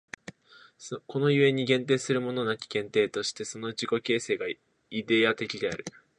この故に限定するものなき限定として、その自己形成がイデヤ的である。